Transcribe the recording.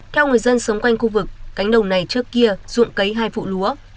theo người dân sống quanh khu vực cánh đồng này trước kia ruộng cấy hai vụ lúa